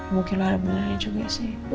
mungkin lo harap beneran juga sih